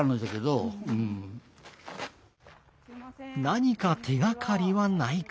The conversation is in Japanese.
何か手がかりはないか？